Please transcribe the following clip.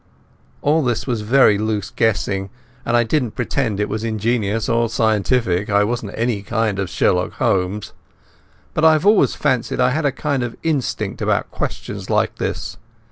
All this was very loose guessing, and I don't pretend it was ingenious or scientific. I wasn't any kind of Sherlock Holmes. But I have always fancied I had a kind of instinct about questions like this.